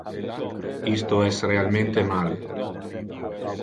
Isto es realmente mal.